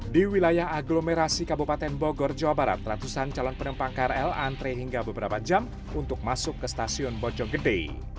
di wilayah aglomerasi kabupaten bogor jawa barat ratusan calon penumpang krl antre hingga beberapa jam untuk masuk ke stasiun bojonggede